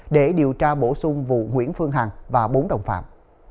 để điều tra bổ sung vụ nguyễn phương hằng và bốn đồng phạm